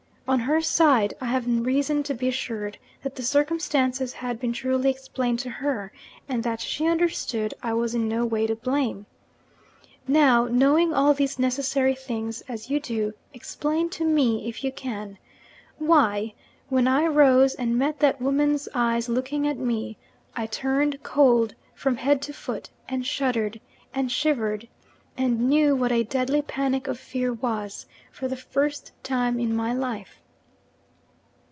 On her side, I have reason to be assured that the circumstances had been truly explained to her, and that she understood I was in no way to blame. Now, knowing all these necessary things as you do, explain to me, if you can, why, when I rose and met that woman's eyes looking at me, I turned cold from head to foot, and shuddered, and shivered, and knew what a deadly panic of fear was, for the first time in my life.'